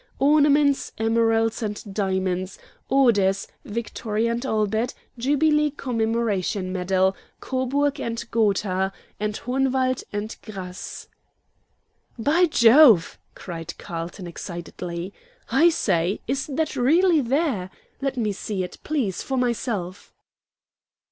Ornaments emeralds and diamonds; orders Victoria and Albert, jubilee Commemoration Medal, Coburg and Gotha, and Hohenwald and Grasse.'" "By Jove!" cried Carlton, excitedly. "I say, is that really there? Let me see it, please, for myself."